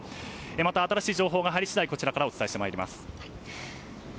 また新しい情報が入り次第こちらからお伝えしてまいります。